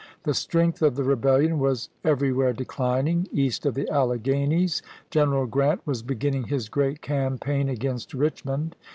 The strength of the Rebellion was everywhere declining. East of the Alleghanies General Grant was beginning his great campaign against Richmond.